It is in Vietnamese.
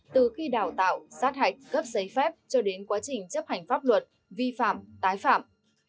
từ khi đào tạo sát hạch cấp giấy phép cho đến quá trình chấp hành pháp luật vi phạm tái phạm